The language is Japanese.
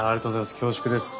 恐縮です。